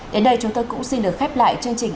đến đây chúng tôi cũng xin được khép lại chương trình